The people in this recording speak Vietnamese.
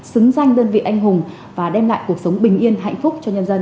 xứng danh đơn vị anh hùng và đem lại cuộc sống bình yên hạnh phúc cho nhân dân